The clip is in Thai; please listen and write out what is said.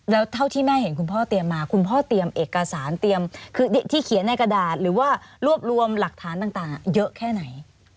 แล้วเท่าที่แม่เห็นคุณพ่อเตรียมมาคุณพ่อเตรียมเอกสารเตรียมคือที่เขียนในกระดาษหรือว่ารวบรวมหลักฐานต่างเยอะแค่ไหน